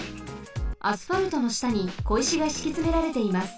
アスファルトのしたにこいしがしきつめられています。